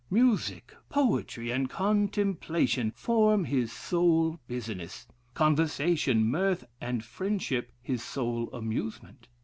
Music, poetry, and contemplation, form his sole business: conversation, mirth, and friendship his sole amusement.